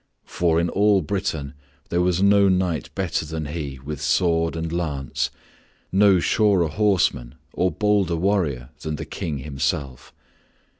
For in all Britain there was no knight better than he with sword and lance, no surer horseman or bolder warrior than the King himself.